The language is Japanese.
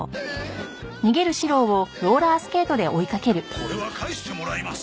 これは返してもらいます！